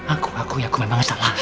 aku aku aku memang salah